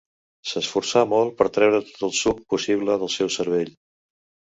S'esforçà molt per treure tot el suc possible del seu cervell.